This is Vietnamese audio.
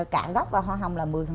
cạn gốc và hoa hồng là một mươi